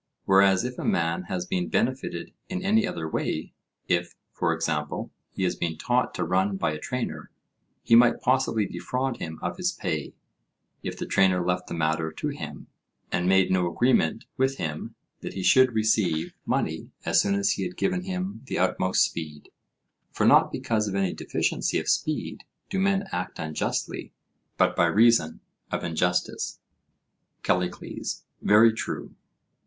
Whereas if a man has been benefited in any other way, if, for example, he has been taught to run by a trainer, he might possibly defraud him of his pay, if the trainer left the matter to him, and made no agreement with him that he should receive money as soon as he had given him the utmost speed; for not because of any deficiency of speed do men act unjustly, but by reason of injustice. CALLICLES: Very true.